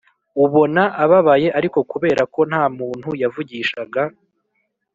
ubona ababaye ariko kubera ko nta muntu yavugishaga